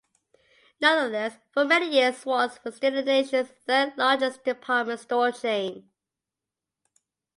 Nonetheless, for many years Wards was still the nation's third-largest department store chain.